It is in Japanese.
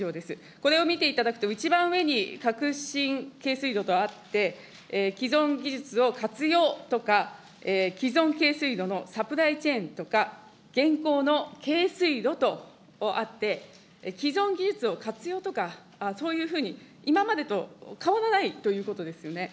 これを見ていただくと、一番上に革新軽水炉とあって、既存技術を活用とか、既存軽水炉のサプライチェーンとか、現行の軽水炉とあって、既存技術を活用とかそういうふうに、今までと変わらないということですよね。